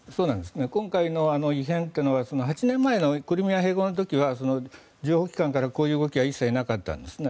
今回の異変というのは８年前のクリミア併合の時は情報機関からこういう動きが一切なかったんですね。